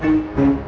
ya pak juna